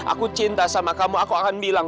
aku cinta sama kamu aku akan bilang